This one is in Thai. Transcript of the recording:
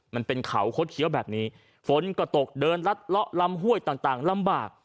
มันเป็นเขาคดเคี้ยวแบบนี้ฝนก็ตกเดินรัดเลาะลำห้วยต่างลำบาก